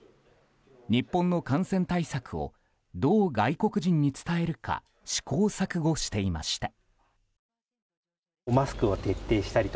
日本の感染対策をどう外国人に伝えるか試行錯誤していました。